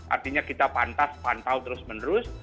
artinya kita pantas pantau terus menerus